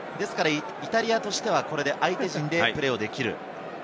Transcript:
イタリアとしては、これで相手陣でプレーできる。